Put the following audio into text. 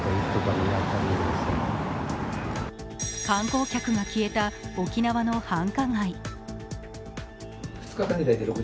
観光客が消えた沖縄の繁華街。